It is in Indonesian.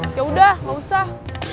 yaudah gak usah